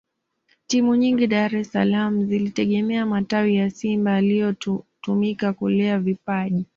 Timu nyingi Dar es salaam zilitegemea matawi ya Simba yaliyotumika kulea vipaji